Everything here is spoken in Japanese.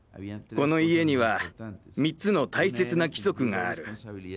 この家には３つの大切な規則がある。